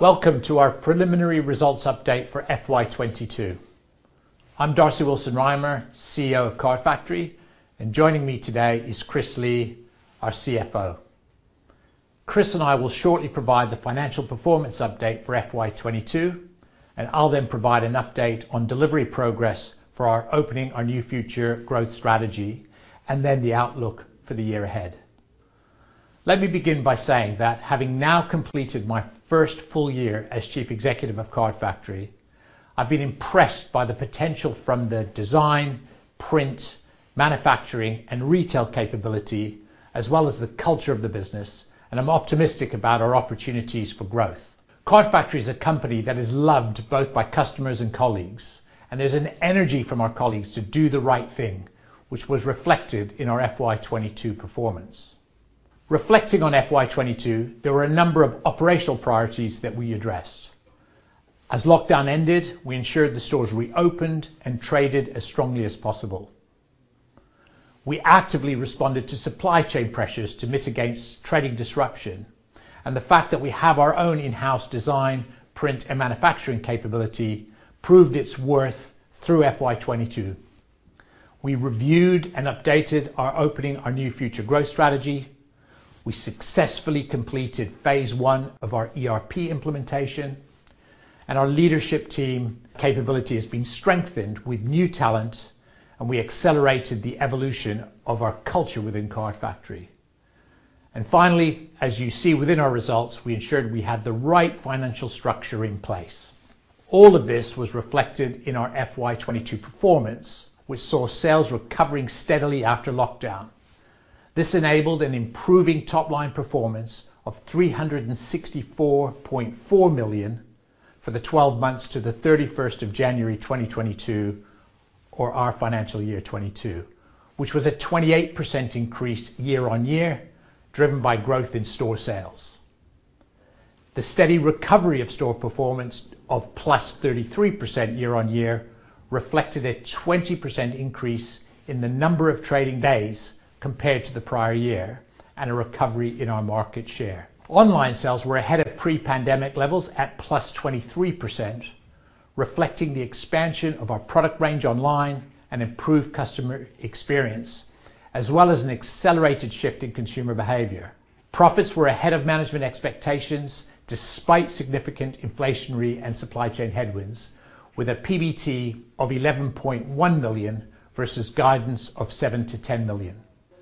Welcome to our preliminary results update for FY 2022. I'm Darcy Willson-Rymer, CEO of Card Factory, and joining me today is Kristian Lee, our CFO. Kristian and I will shortly provide the financial performance update for FY 2022, and I'll then provide an update on delivery progress for our Opening Our New Future growth strategy and then the outlook for the year ahead. Let me begin by saying that having now completed my first full year as chief executive of Card Factory, I've been impressed by the potential from the design, print, manufacturing, and retail capability, as well as the culture of the business, and I'm optimistic about our opportunities for growth. Card Factory is a company that is loved both by customers and colleagues, and there's an energy from our colleagues to do the right thing, which was reflected in our FY 2022 performance. Reflecting on FY 2022, there were a number of operational priorities that we addressed. As lockdown ended, we ensured the stores reopened and traded as strongly as possible. We actively responded to supply chain pressures to mitigate trading disruption, and the fact that we have our own in-house design, print, and manufacturing capability proved its worth through FY 2022. We reviewed and updated our Opening Our New Future growth strategy. We successfully completed phase one of our ERP implementation, and our leadership team capability has been strengthened with new talent, and we accelerated the evolution of our culture within Card Factory. Finally, as you see within our results, we ensured we had the right financial structure in place. All of this was reflected in our FY 2022 performance, which saw sales recovering steadily after lockdown. This enabled an improving top-line performance of 364.4 million for the 12 months to January 31st, 2022, or our financial year FY 2022, which was a 28% increase year-on-year, driven by growth in store sales. The steady recovery of store performance of +33% year-on-year reflected a 20% increase in the number of trading days compared to the prior year and a recovery in our market share. Online sales were ahead of pre-pandemic levels at +23%, reflecting the expansion of our product range online and improved customer experience, as well as an accelerated shift in consumer behavior. Profits were ahead of management expectations despite significant inflationary and supply chain headwinds with a PBT of 11.1 million versus guidance of 7 million-10 million.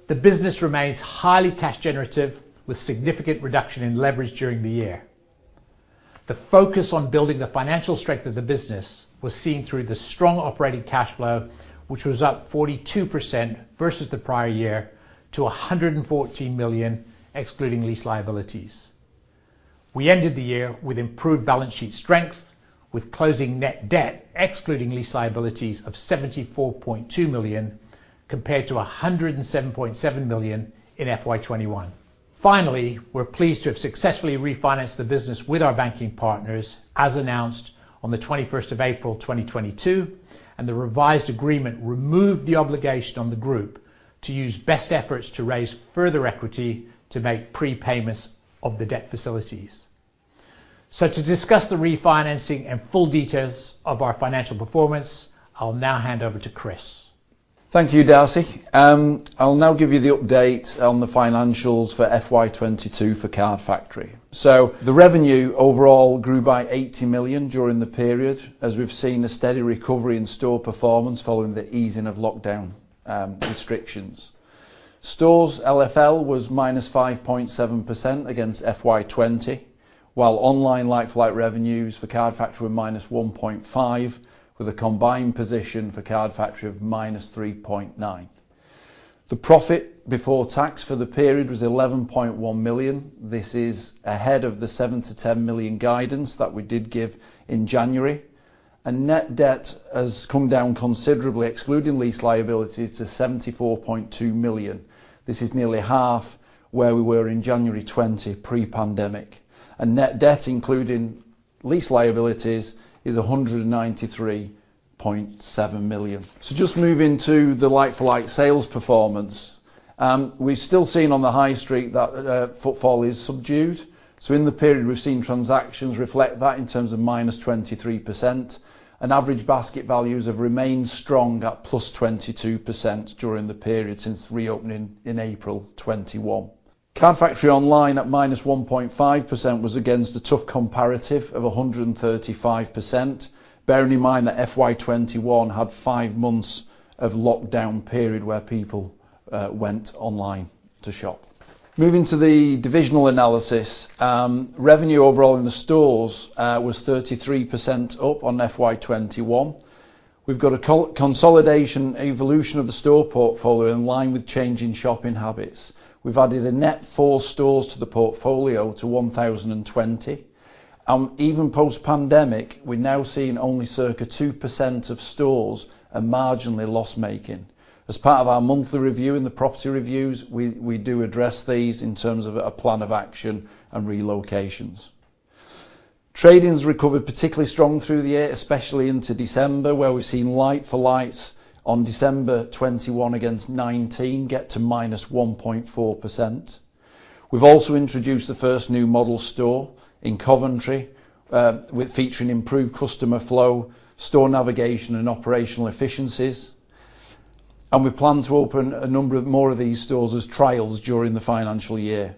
The business remains highly cash generative with significant reduction in leverage during the year. The focus on building the financial strength of the business was seen through the strong operating cash flow, which was up 42% versus the prior year to 114 million, excluding lease liabilities. We ended the year with improved balance sheet strength with closing net debt, excluding lease liabilities, of 74.2 million compared to 107.7 million in FY 2021. Finally, we're pleased to have successfully refinanced the business with our banking partners as announced on April 21st, 2022, and the revised agreement removed the obligation on the group to use best efforts to raise further equity to make prepayments of the debt facilities. To discuss the refinancing and full details of our financial performance, I'll now hand over to Kristian. Thank you, Darcy. I'll now give you the update on the financials for FY 2022 for Card Factory. The revenue overall grew by 80 million during the period as we've seen a steady recovery in store performance following the easing of lockdown restrictions. Stores LFL was -5.7% against FY 2020, while online like-for-like revenues for Card Factory were -1.5%, with a combined position for Card Factory of -3.9%. The profit before tax for the period was 11.1 million. This is ahead of the 7 million-10 million guidance that we did give in January. Net debt has come down considerably, excluding lease liabilities, to 74.2 million. This is nearly half where we were in January 2020 pre-pandemic. Net debt, including lease liabilities, is 193.7 million. Just moving to the like-for-like sales performance. We've still seen on the high street that footfall is subdued. In the period we've seen transactions reflect that in terms of -23% and average basket values have remained strong at +22% during the period since reopening in April 2021. Card Factory online at -1.5% was against a tough comparative of 135%, bearing in mind that FY 2021 had five months of lockdown period where people went online to shop. Moving to the divisional analysis, revenue overall in the stores was 33% up on FY 2021. We've got a consolidation evolution of the store portfolio in line with changing shopping habits. We've added a net four stores to the portfolio to 1,020. Even post-pandemic, we're now seeing only circa 2% of stores are marginally loss-making. As part of our monthly review and the property reviews, we do address these in terms of a plan of action and relocations. Trading has recovered particularly strong through the year, especially into December, where we've seen like-for-like on December 21 against 2019 get to -1.4%. We've also introduced the first new model store in Coventry, with featuring improved customer flow, store navigation, and operational efficiencies. We plan to open a number of more of these stores as trials during the financial year.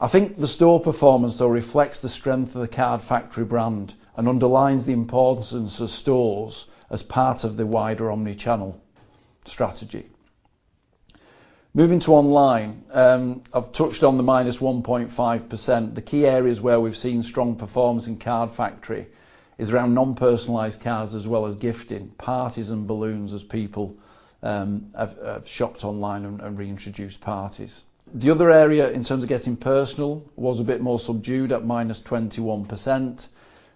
I think the store performance though reflects the strength of the Card Factory brand and underlines the importance of stores as part of the wider omni-channel strategy. Moving to online, I've touched on the -1.5%. The key areas where we've seen strong performance in Card Factory are around non-personalized cards as well as gifting, parties and balloons as people have shopped online and reintroduced parties. The other area in terms of Getting Personal was a bit more subdued at -21%.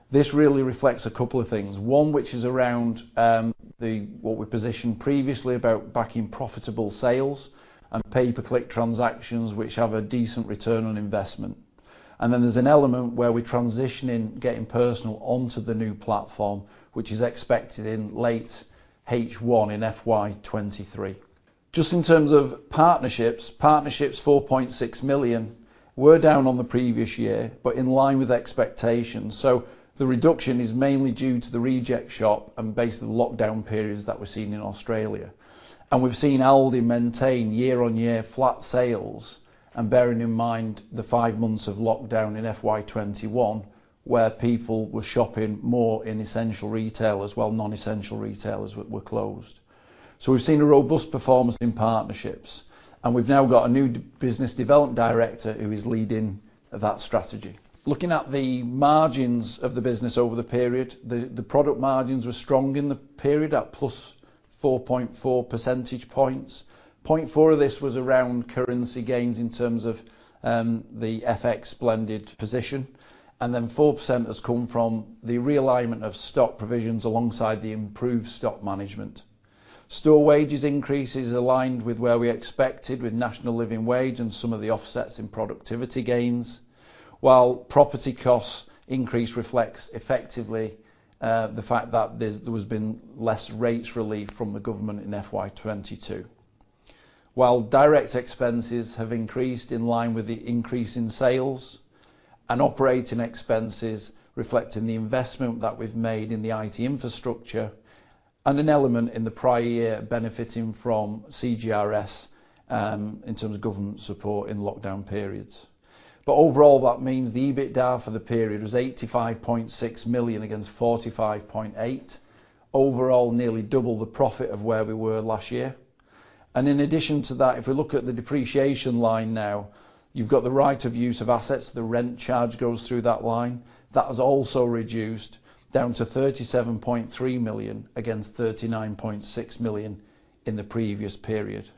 This really reflects a couple of things. One, which is around what we positioned previously about backing profitable sales and pay-per-click transactions, which have a decent return on investment. Then there's an element where we transition in Getting Personal onto the new platform, which is expected in late H1 in FY 2023. Just in terms of partnerships, 4.6 million were down on the previous year, but in line with expectations. The reduction is mainly due to The Reject Shop and based on the lockdown periods that we're seeing in Australia. We've seen Aldi maintain year-on-year flat sales, bearing in mind the five months of lockdown in FY 2021, where people were shopping more in essential retailers while non-essential retailers were closed. We've seen a robust performance in partnerships, and we've now got a new business development director who is leading that strategy. Looking at the margins of the business over the period, the product margins were strong in the period at +4.4 percentage points. 0.4 of this was around currency gains in terms of the FX blended position, and then 4% has come from the realignment of stock provisions alongside the improved stock management. Store wages increases aligned with where we expected with National Living Wage and some of the offsets in productivity gains, while property costs increase reflects effectively the fact that there has been less rates relief from the government in FY 2022. While direct expenses have increased in line with the increase in sales and operating expenses reflecting the investment that we've made in the IT infrastructure and an element in the prior year benefiting from CJRS in terms of government support in lockdown periods. Overall, that means the EBITDA for the period was 85.6 million against 45.8 million. Overall, nearly double the profit of where we were last year. In addition to that, if we look at the depreciation line now, you've got the right-of-use assets, the rent charge goes through that line. That has also reduced down to 37.3 million against 39.6 million in the previous period.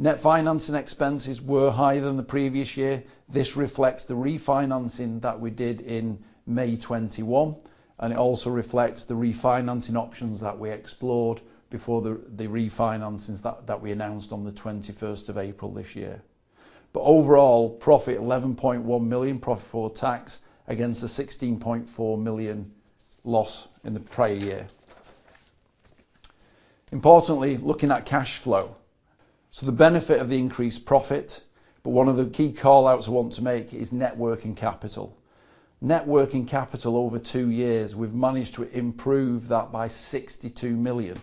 Net financing expenses were higher than the previous year. This reflects the refinancing that we did in May 2021, and it also reflects the refinancing options that we explored before the refinancings that we announced on April 21st this year. Overall, profit before tax 11.1 million against a 16.4 million loss in the prior year. Importantly, looking at cash flow. The benefit of the increased profit, but one of the key call-outs I want to make is net working capital. Net working capital over two years, we've managed to improve that by 62 million,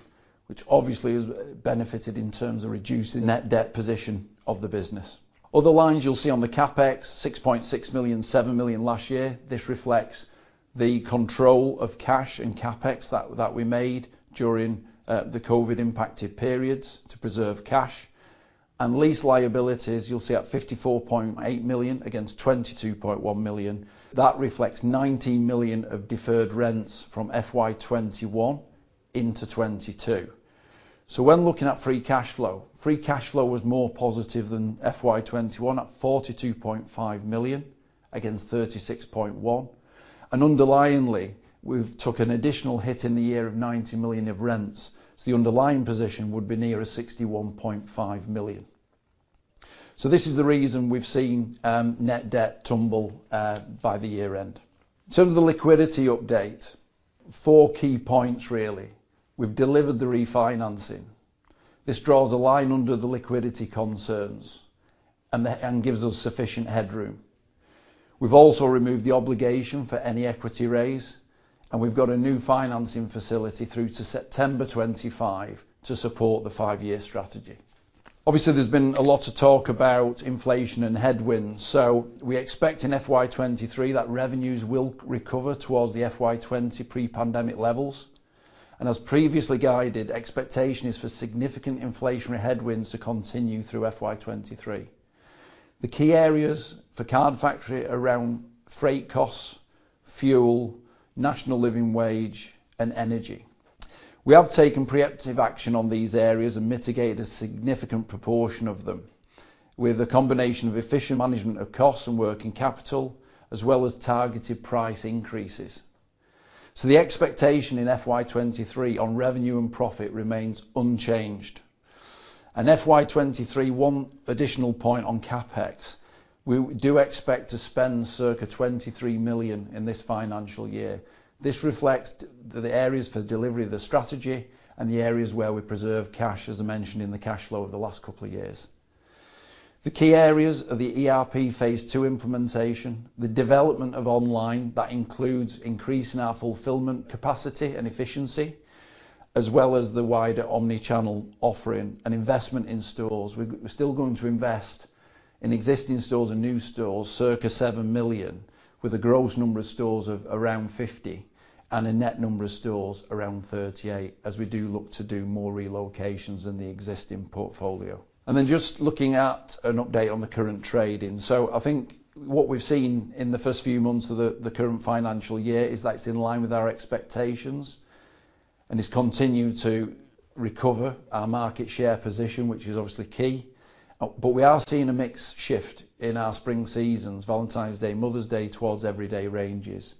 which obviously has benefited in terms of reducing net debt position of the business. Other lines you'll see on the CapEx, 6.6 million, 7 million last year. This reflects the control of cash and CapEx that we made during the COVID-impacted periods to preserve cash. Lease liabilities, you'll see at 54.8 million against 22.1 million. That reflects 19 million of deferred rents from FY 2021 into 2022. When looking at free cash flow, free cash flow was more positive than FY 2021 at 42.5 million against 36.1. Underlyingly, we've took an additional hit in the year of 90 million of rents, so the underlying position would be nearer 61.5 million. This is the reason we've seen net debt tumble by the year end. In terms of the liquidity update, four key points really. We've delivered the refinancing. This draws a line under the liquidity concerns, and gives us sufficient headroom. We've also removed the obligation for any equity raise, and we've got a new financing facility through to September 2025 to support the five-year strategy. Obviously, there's been a lot of talk about inflation and headwinds. We expect in FY 2023 that revenues will recover towards the FY 2020 pre-pandemic levels. As previously guided, expectation is for significant inflationary headwinds to continue through FY 2023. The key areas for Card Factory are around freight costs, fuel, National Living Wage, and energy. We have taken preemptive action on these areas and mitigated a significant proportion of them with a combination of efficient management of costs and working capital, as well as targeted price increases. The expectation in FY 2023 on revenue and profit remains unchanged. FY 2023, one additional point on CapEx. We do expect to spend circa 23 million in this financial year. This reflects the areas for delivery of the strategy and the areas where we preserve cash, as I mentioned, in the cash flow over the last couple of years. The key areas are the ERP phase two implementation, the development of online, that includes increasing our fulfillment capacity and efficiency, as well as the wider omni-channel offering and investment in stores. We're still going to invest in existing stores and new stores, circa 7 million, with a gross number of stores of around 50 and a net number of stores around 38 as we do look to do more relocations in the existing portfolio. Then just looking at an update on the current trading. I think what we've seen in the first few months of the current financial year is that it's in line with our expectations, and it's continued to recover our market share position, which is obviously key. But we are seeing a mix shift in our spring seasons, Valentine's Day, Mother's Day, towards everyday ranges,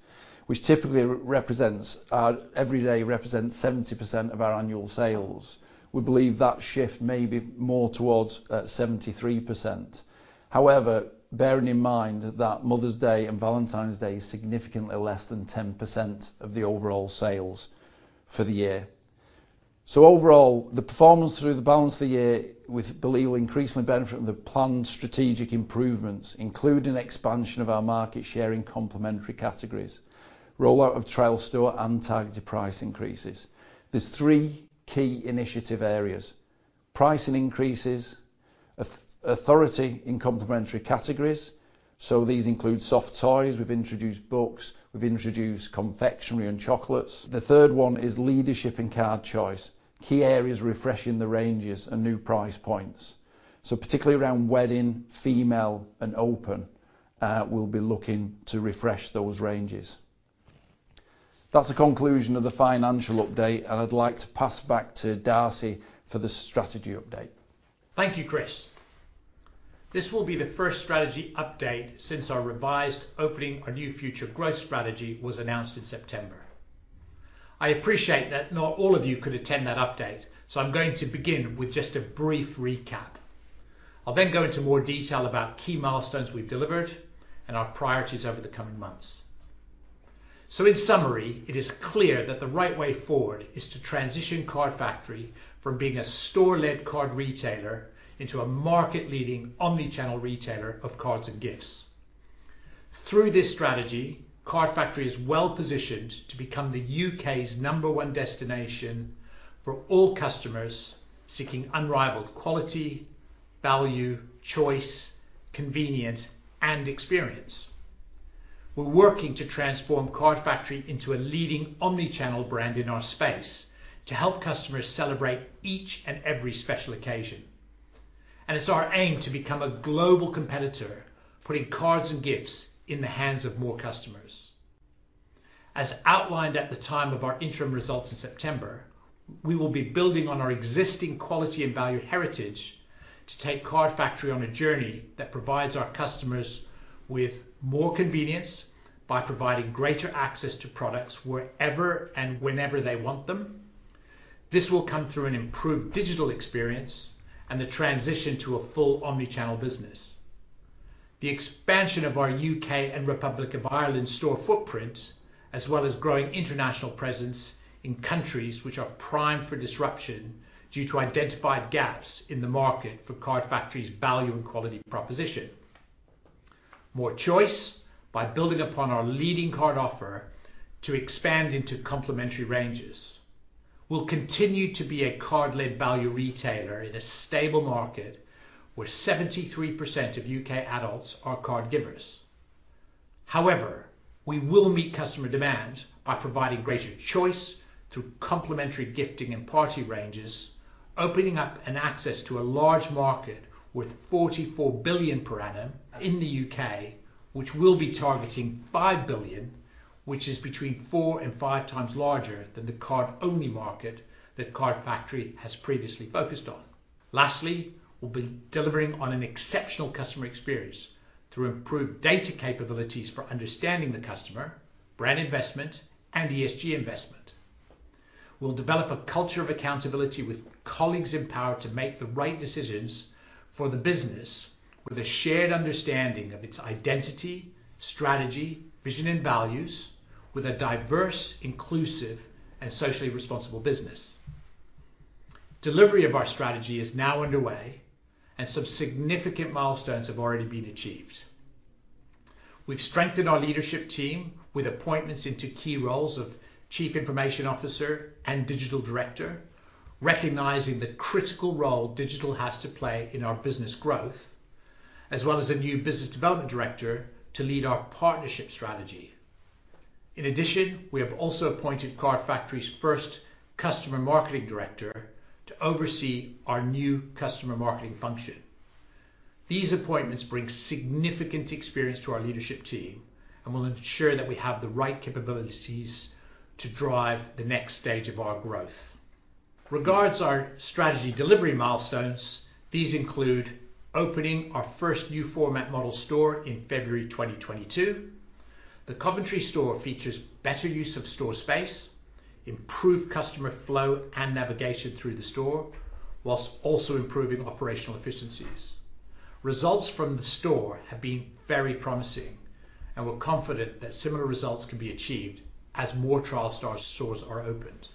which typically represent 70% of our annual sales. We believe that shift may be more towards 73%. However, bearing in mind that Mother's Day and Valentine's Day is significantly less than 10% of the overall sales for the year. Overall, the performance through the balance of the year, we believe will increasingly benefit from the planned strategic improvements, including expansion of our market share in complementary categories, rollout of trial store and targeted price increases. There's three key initiative areas: pricing increases, authority in complementary categories, so these include soft toys, we've introduced books, we've introduced confectionery and chocolates. The third one is leadership and card choice, key areas refreshing the ranges and new price points. Particularly around wedding, female, and open, we'll be looking to refresh those ranges. That's the conclusion of the financial update, and I'd like to pass back to Darcy for the strategy update. Thank you, Kristian. This will be the first strategy update since our revised Opening Our New Future growth strategy was announced in September. I appreciate that not all of you could attend that update, so I'm going to begin with just a brief recap. I'll then go into more detail about key milestones we've delivered and our priorities over the coming months. In summary, it is clear that the right way forward is to transition Card Factory from being a store-led card retailer into a market-leading omni-channel retailer of cards and gifts. Through this strategy, Card Factory is well positioned to become the U.K.'s number one destination for all customers seeking unrivaled quality, value, choice, convenience, and experience. We're working to transform Card Factory into a leading omni-channel brand in our space to help customers celebrate each and every special occasion, and it's our aim to become a global competitor, putting cards and gifts in the hands of more customers. As outlined at the time of our interim results in September, we will be building on our existing quality and value heritage to take Card Factory on a journey that provides our customers with more convenience by providing greater access to products wherever and whenever they want them. This will come through an improved digital experience and the transition to a full omni-channel business. The expansion of our U.K. and Republic of Ireland store footprint, as well as growing international presence in countries which are primed for disruption due to identified gaps in the market for Card Factory's value and quality proposition. More choice by building upon our leading card offer to expand into complementary ranges. We'll continue to be a card-led value retailer in a stable market where 73% of U.K. adults are card givers. However, we will meet customer demand by providing greater choice through complementary gifting and party ranges, opening up an access to a large market with 44 billion per annum in the U.K., which we'll be targeting 5 billion, which is between four and five times larger than the card-only market that Card Factory has previously focused on. Lastly, we'll be delivering on an exceptional customer experience through improved data capabilities for understanding the customer, brand investment, and ESG investment. We'll develop a culture of accountability with colleagues empowered to make the right decisions for the business with a shared understanding of its identity, strategy, vision, and values with a diverse, inclusive, and socially responsible business. Delivery of our strategy is now underway, and some significant milestones have already been achieved. We've strengthened our leadership team with appointments into key roles of Chief Information Officer and Digital Director, recognizing the critical role digital has to play in our business growth, as well as a new Business Development Director to lead our partnership strategy. In addition, we have also appointed Card Factory's first Customer Marketing Director to oversee our new customer marketing function. These appointments bring significant experience to our leadership team and will ensure that we have the right capabilities to drive the next stage of our growth. Regarding our strategy delivery milestones, these include opening our first new-format model store in February 2022. The Coventry store features better use of store space, improved customer flow and navigation through the store, while also improving operational efficiencies. Results from the store have been very promising, and we're confident that similar results can be achieved as more trial star stores are opened.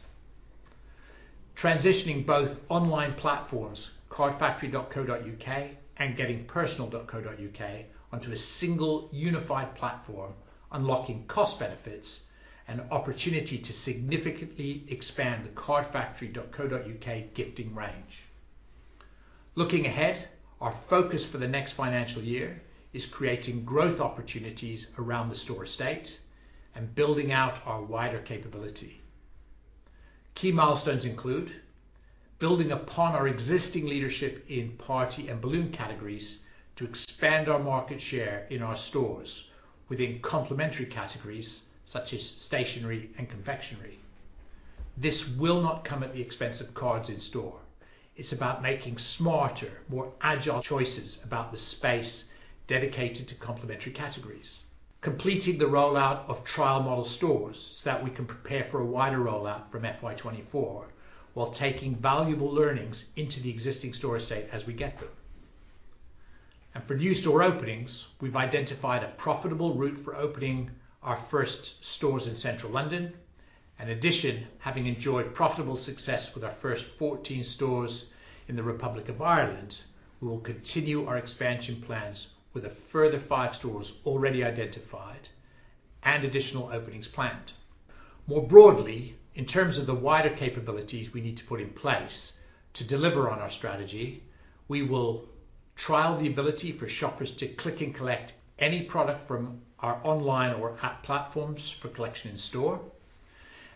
Transitioning both online platforms, cardfactory.co.uk and gettingpersonal.co.uk, onto a single unified platform, unlocking cost benefits and opportunity to significantly expand the cardfactory.co.uk gifting range. Looking ahead, our focus for the next financial year is creating growth opportunities around the store estate and building out our wider capability. Key milestones include building upon our existing leadership in party and balloon categories to expand our market share in our stores within complementary categories such as stationery and confectionery. This will not come at the expense of cards in store. It's about making smarter, more agile choices about the space dedicated to complementary categories. Completing the rollout of trial model stores so that we can prepare for a wider rollout from FY 2024, while taking valuable learnings into the existing store estate as we get them. For new store openings, we've identified a profitable route for opening our first stores in central London. In addition, having enjoyed profitable success with our first 14 stores in the Republic of Ireland, we will continue our expansion plans with a further five stores already identified and additional openings planned. More broadly, in terms of the wider capabilities we need to put in place to deliver on our strategy, we will trial the ability for shoppers to click and collect any product from our online or app platforms for collection in store.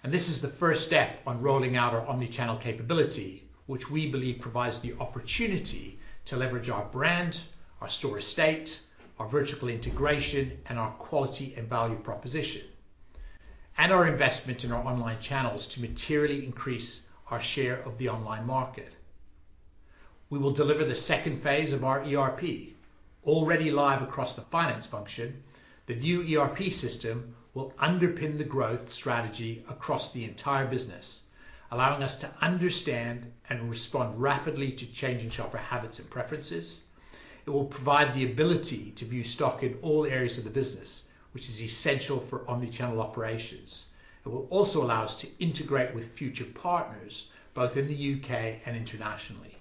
This is the first step on rolling out our omni-channel capability, which we believe provides the opportunity to leverage our brand, our store estate, our vertical integration, and our quality and value proposition, and our investment in our online channels to materially increase our share of the online market. We will deliver the second phase of our ERP. Already live across the finance function, the new ERP system will underpin the growth strategy across the entire business, allowing us to understand and respond rapidly to changing shopper habits and preferences. It will provide the ability to view stock in all areas of the business, which is essential for omni-channel operations. It will also allow us to integrate with future partners, both in the U.K. and internationally.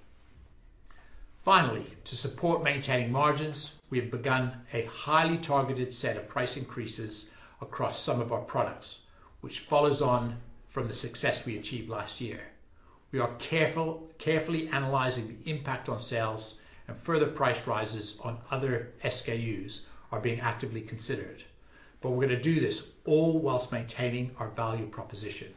Finally, to support maintaining margins, we have begun a highly targeted set of price increases across some of our products, which follows on from the success we achieved last year. We are carefully analyzing the impact on sales, and further price rises on other SKUs are being actively considered. We're gonna do this all while maintaining our value proposition.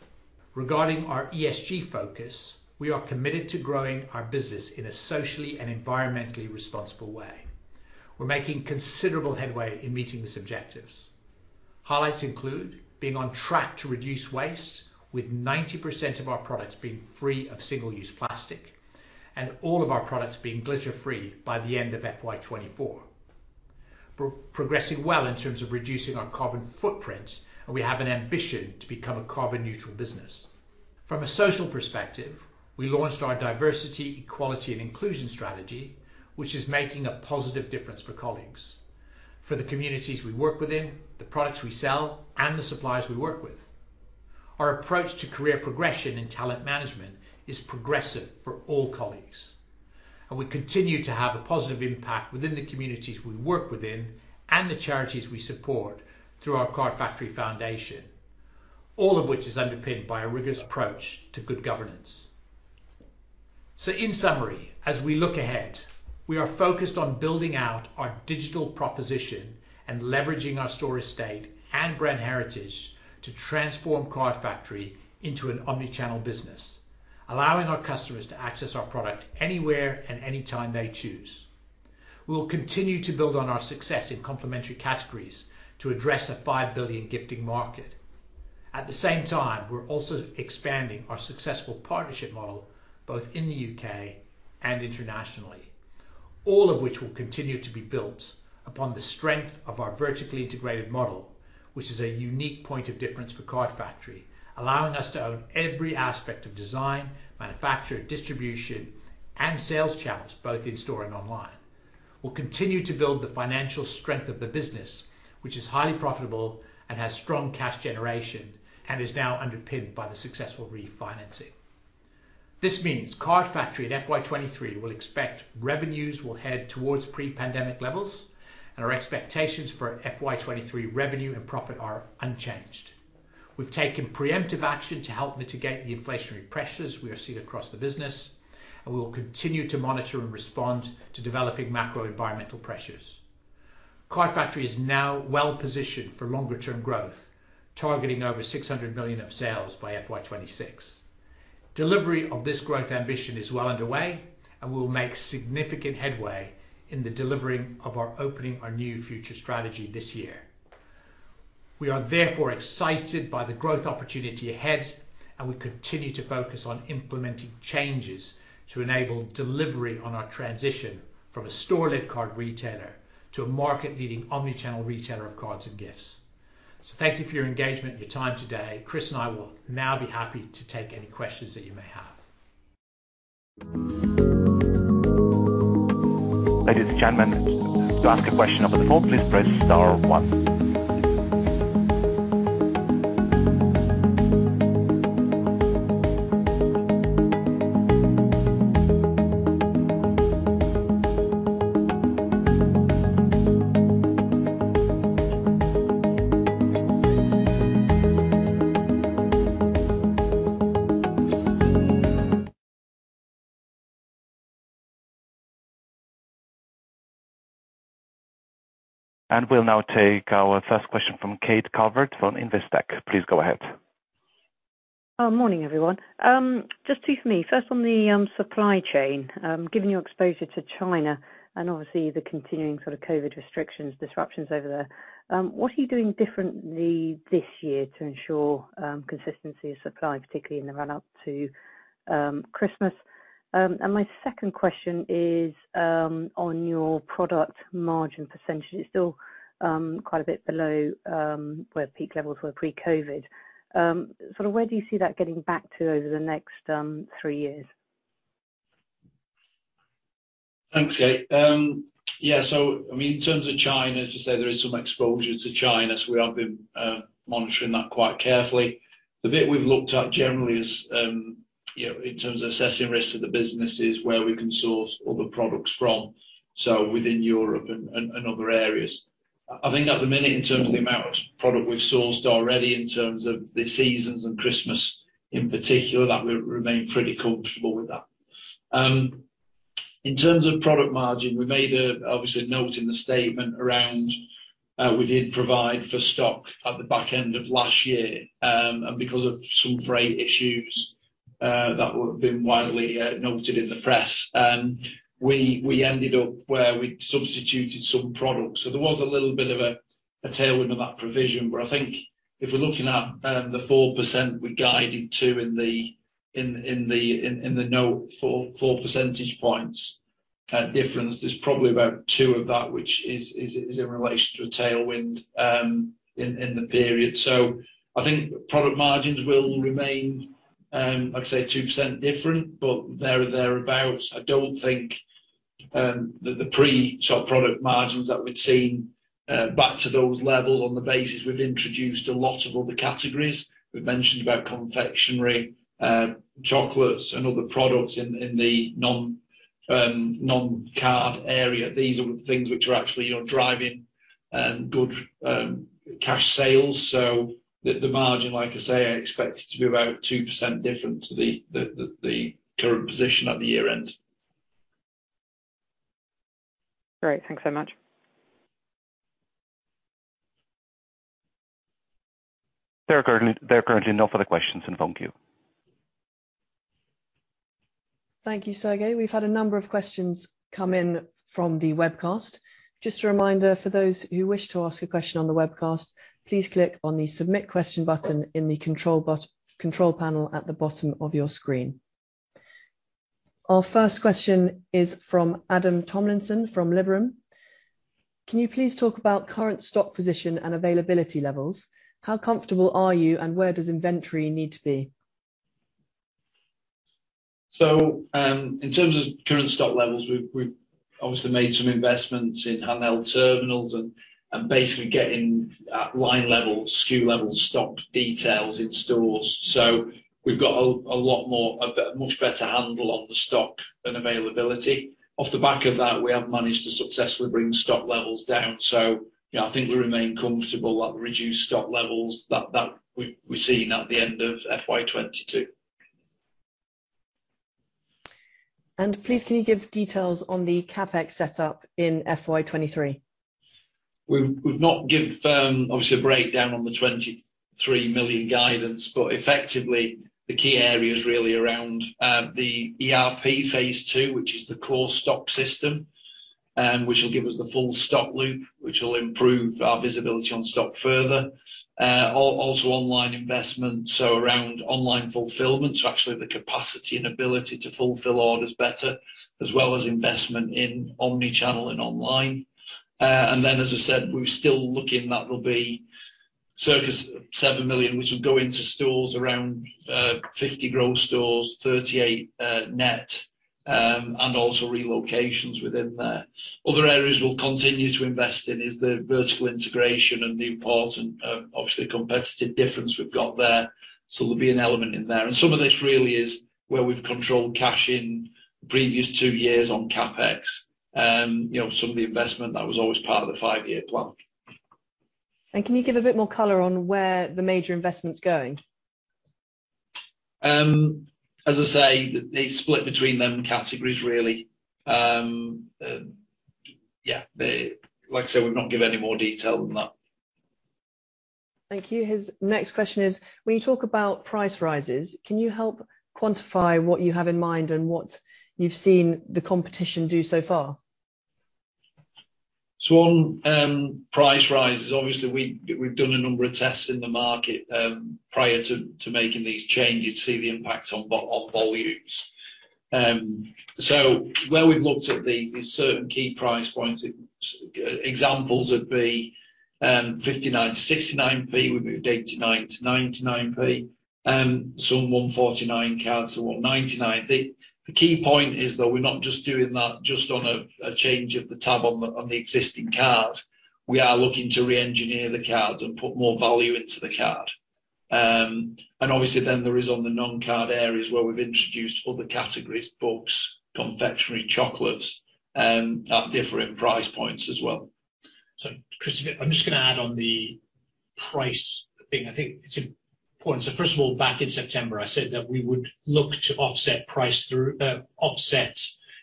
Regarding our ESG focus, we are committed to growing our business in a socially and environmentally responsible way. We're making considerable headway in meeting these objectives. Highlights include being on track to reduce waste, with 90% of our products being free of single-use plastic, and all of our products being glitter-free by the end of FY 2024. Progressing well in terms of reducing our carbon footprint, and we have an ambition to become a carbon-neutral business. From a social perspective, we launched our diversity, equality, and inclusion strategy, which is making a positive difference for colleagues, for the communities we work within, the products we sell, and the suppliers we work with. Our approach to career progression and talent management is progressive for all colleagues, and we continue to have a positive impact within the communities we work within and the charities we support through our Card Factory Foundation, all of which is underpinned by a rigorous approach to good governance. In summary, as we look ahead, we are focused on building out our digital proposition and leveraging our store estate and brand heritage to transform Card Factory into an omni-channel business, allowing our customers to access our product anywhere and anytime they choose. We will continue to build on our success in complementary categories to address a 5 billion gifting market. At the same time, we're also expanding our successful partnership model, both in the U.K. and internationally, all of which will continue to be built upon the strength of our vertically integrated model, which is a unique point of difference for Card Factory, allowing us to own every aspect of design, manufacture, distribution, and sales channels, both in store and online. We'll continue to build the financial strength of the business, which is highly profitable and has strong cash generation and is now underpinned by the successful refinancing. This means Card Factory in FY 2023 will expect revenues will head towards pre-pandemic levels, and our expectations for FY 2023 revenue and profit are unchanged. We've taken preemptive action to help mitigate the inflationary pressures we are seeing across the business, and we will continue to monitor and respond to developing macro environmental pressures. Card Factory is now well-positioned for longer-term growth, targeting over 600 million in sales by FY 2026. Delivery of this growth ambition is well underway and will make significant headway in the delivering of our Opening Our New Future strategy this year. We are therefore excited by the growth opportunity ahead. We continue to focus on implementing changes to enable delivery on our transition from a store-led card retailer to a market-leading omni-channel retailer of cards and gifts. Thank you for your engagement and your time today. Kristian and I will now be happy to take any questions that you may have. Ladies and gentlemen, to ask a question over the phone, please press star one. We'll now take our first question from Kate Calvert on Investec. Please go ahead. Morning, everyone. Just two for me. First on the supply chain. Given your exposure to China and obviously the continuing sort of COVID restrictions, disruptions over there, what are you doing differently this year to ensure consistency of supply, particularly in the run up to Christmas? My second question is on your product margin percentage, it's still quite a bit below where peak levels were pre-COVID. Sort of where do you see that getting back to over the next three years? Thanks, Kate. Yeah, so I mean, in terms of China, as you say, there is some exposure to China, so we have been monitoring that quite carefully. The bit we've looked at generally is, you know, in terms of assessing risk to the business is where we can source other products from, so within Europe and other areas. I think at the minute, in terms of the amount of product we've sourced already in terms of the seasons and Christmas in particular, that we remain pretty comfortable with that. In terms of product margin, we made an obvious note in the statement around, we did provide for stock at the back end of last year. Because of some freight issues, that would have been widely noted in the press, we ended up where we substituted some products. There was a little bit of a tailwind on that provision. I think if we're looking at the 4% we guided to in the note, 4 percentage points difference, there's probably about two of that which is in relation to a tailwind in the period. I think product margins will remain like I say, 2% different, but there or thereabouts. I don't think that the pre-tax product margins that we'd seen back to those levels on the basis we've introduced a lot of other categories. We've mentioned about confectionery, chocolates and other products in the non-card area. These are things which are actually, you know, driving good cash sales. The margin, like I say, I expect it to be about 2% different to the current position at the year end. Great. Thanks so much. There are currently no further questions in phone queue. Thank you, Sergey. We've had a number of questions come in from the webcast. Just a reminder for those who wish to ask a question on the webcast, please click on the Submit Question button in the control panel at the bottom of your screen. Our first question is from Adam Tomlinson from Liberum. Can you please talk about current stock position and availability levels? How comfortable are you and where does inventory need to be? In terms of current stock levels, we've obviously made some investments in handheld terminals and basically getting at line level, SKU level stock details in stores. We've got a lot more, a much better handle on the stock and availability. Off the back of that, we have managed to successfully bring stock levels down. You know, I think we remain comfortable at the reduced stock levels that we've seen at the end of FY 2022. Please can you give details on the CapEx set up in FY 2023? We've not given obviously a breakdown on the 23 million guidance, but effectively the key area is really around the ERP phase two, which is the core stock system, which will give us the full stock loop, which will improve our visibility on stock further. Also online investment, so around online fulfillment, so actually the capacity and ability to fulfill orders better, as well as investment in omni-channel and online. And then as I said, we're still looking, that will be circa 7 million, which will go into stores around 50 growth stores, 38 net, and also relocations within there. Other areas we'll continue to invest in is the vertical integration and Newport and obviously the competitive difference we've got there. There'll be an element in there. Some of this really is where we've controlled cash in previous two years on CapEx. You know, some of the investment that was always part of the five-year plan. Can you give a bit more color on where the major investment's going? As I say, they split between them categories really. Like I say, we've not give any more detail than that. Thank you. His next question is, when you talk about price rises, can you help quantify what you have in mind and what you've seen the competition do so far? On price rises, obviously we've done a number of tests in the market prior to making these changes to see the impact on volumes. Where we've looked at these is certain key price points. Examples would be 0.59-0.69, we moved 0.89-0.99. Some 1.49 cards to 1.99. The key point is though, we're not just doing that just on a change of the tab on the existing card. We are looking to re-engineer the cards and put more value into the card. Obviously then there is on the non-card areas where we've introduced other categories, books, confectionery, chocolates, at different price points as well. Kristian, I'm just gonna add on the price thing. I think it's important. First of all, back in September, I said that we would look to offset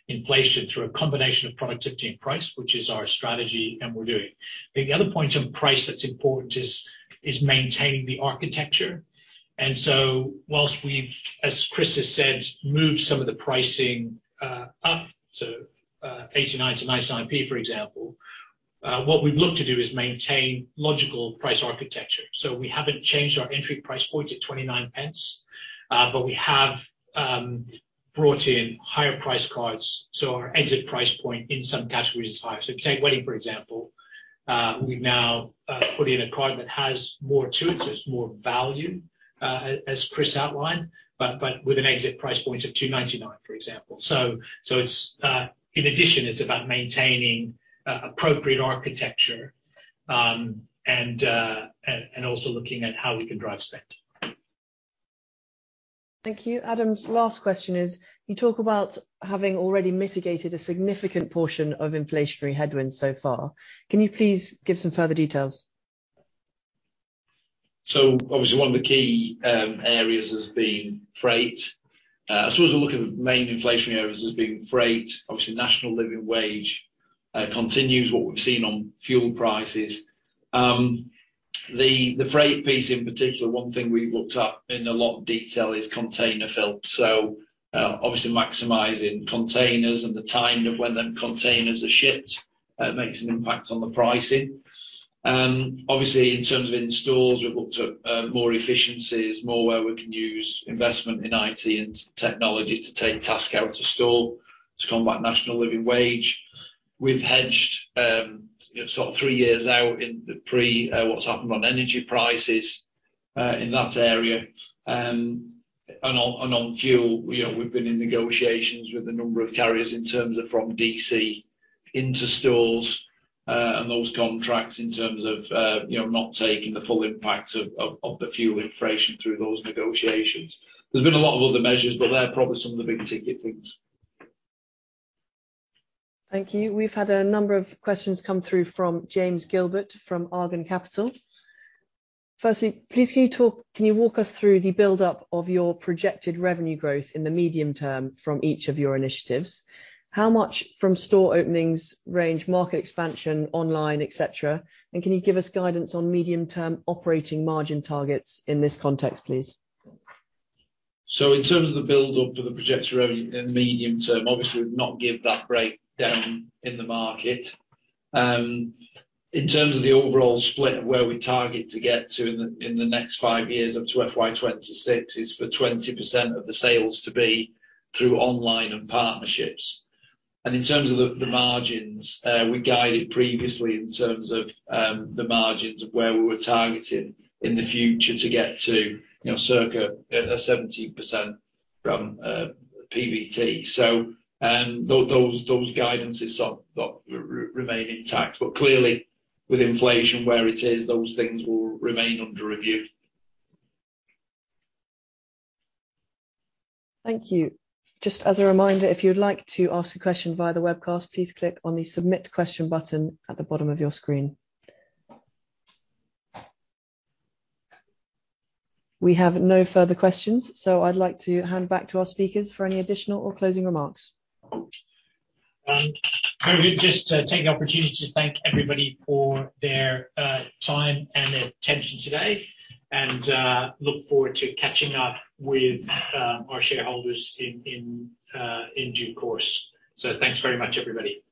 inflation through a combination of productivity and price, which is our strategy, and we're doing. I think the other point on price that's important is maintaining the architecture. While we've, as Kristian has said, moved some of the pricing up to 0.89-0.99, for example, what we've looked to do is maintain logical price architecture. We haven't changed our entry price point at 0.29, but we have brought in higher price cards, so our exit price point in some categories is higher. Take wedding for example, we've now put in a card that has more to it, so it's more value, as Kristian outlined, but with an exit price point of 2.99, for example. In addition, it's about maintaining appropriate architecture, and also looking at how we can drive spend. Thank you. Adam's last question is, you talk about having already mitigated a significant portion of inflationary headwinds so far. Can you please give some further details? Obviously one of the key areas has been freight. I suppose we're looking at the main inflationary areas as being freight, obviously, National Living Wage continues what we've seen on fuel prices. The freight piece in particular, one thing we looked at in a lot of detail is container fill. Obviously maximizing containers and the timing of when them containers are shipped makes an impact on the pricing. Obviously in terms of in stores, we've looked at more efficiencies, more where we can use investment in IT and technology to take tasks out of the store to combat National Living Wage. We've hedged, you know, sort of three years out in the price what's happened on energy prices in that area. On fuel, you know, we've been in negotiations with a number of carriers in terms of from DC into stores, and those contracts in terms of, you know, not taking the full impact of the fuel inflation through those negotiations. There's been a lot of other measures, but they're probably some of the big ticket things. Thank you. We've had a number of questions come through from James Gilbert from Argan Capital. Firstly, please can you walk us through the build up of your projected revenue growth in the medium term from each of your initiatives? How much from store openings, range, market expansion, online, et cetera? Can you give us guidance on medium-term operating margin targets in this context, please? In terms of the build up of the projected revenue in the medium term, obviously we've not given that breakdown in the market. In terms of the overall split of where we target to get to in the next five years up to FY 2026, is for 20% of the sales to be through online and partnerships. In terms of the margins, we guided previously in terms of the margins of where we were targeting in the future to get to, you know, circa 17% from PBT. Those guidances sort of remain intact, but clearly with inflation where it is, those things will remain under review. Thank you. Just as a reminder, if you'd like to ask a question via the webcast, please click on the Submit Question button at the bottom of your screen. We have no further questions, so I'd like to hand back to our speakers for any additional or closing remarks. Very good. Just to take the opportunity to thank everybody for their time and their attention today and look forward to catching up with our shareholders in due course. Thanks very much, everybody.